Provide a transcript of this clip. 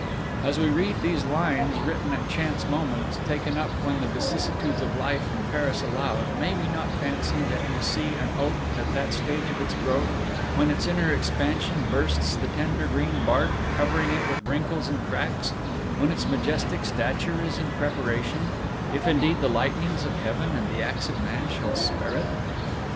As we read these lines, written at chance moments, taken up when the vicissitudes of life in Paris allowed, may we not fancy that we see an oak at that stage of its growth when its inner expansion bursts the tender green bark, covering it with wrinkles and cracks, when its majestic stature is in preparation if indeed the lightnings of heaven and the axe of man shall spare it?